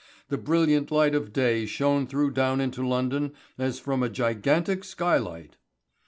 The brilliant light of day shone through down into London as from a gigantic skylight.